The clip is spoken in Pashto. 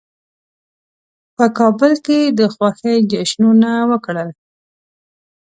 په کابل کې د خوښۍ جشنونه وکړل.